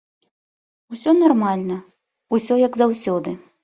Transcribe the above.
Усё нармальна, усё як заўсёды.